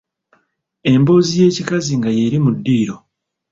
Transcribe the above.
Embozi y'ekikazi nga yeli mu ddiiro.